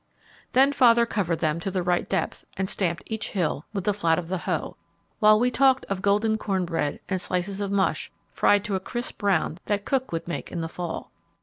Then father covered them to the right depth, and stamped each hill with the flat of the hoe, while we talked of golden corn bread, and slices of mush, fried to a crisp brown that cook would make in the fall.